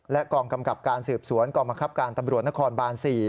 และกองกำกับการสืบสวนกองบังคับการตำรวจนครบาน๔